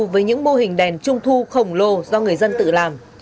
với những mô hình đèn trung thu khổng lồ do người dân tự làm